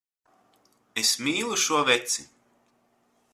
Es mīlu šo veci.